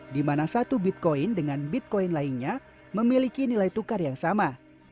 di mana satu bitcoin dengan bitcoin lainnya memiliki nilai tukar yang sama